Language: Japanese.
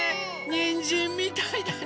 にんじんみたいだね！